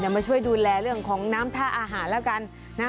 มาช่วยดูแลเรื่องของน้ำท่าอาหารแล้วกันนะ